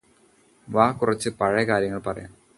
വാ കുറച്ച് പഴയ കാര്യങ്ങള് പറയാം